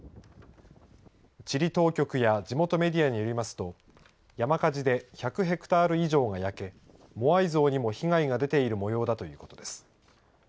チリ当局や地元メディアによりますと山火事で１００ヘクタール以上が焼けモアイ像にも被害が出ているもようだということです。